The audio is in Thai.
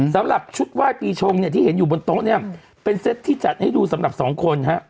สำหรับชุดไหว้ปีชงที่เห็นอยู่บนโต๊ะเนี่ยเป็นเซ็ตให้จัดให้ดูสำหรับ๒คน